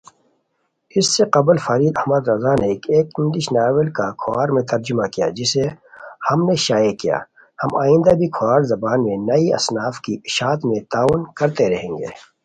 اس سے قبل فرید احمد رضا نے ایک انگلش ناول کا کھوار میں ترجمہ کیا جسے ہم نے شائع کیا، ہم آئیندہ بھی کھوار زبان میں نئ اصناف کی اشاعت میں تعاون کرتے رہیں گے